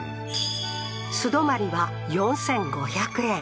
素泊まりは４，５００円